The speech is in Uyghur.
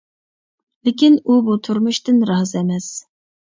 لېكىن ئۇ بۇ تۇرمۇشتىن رازى ئەمەس.